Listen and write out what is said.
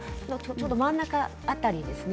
真ん中辺りですね